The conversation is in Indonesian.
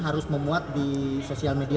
harus memuat di sosial media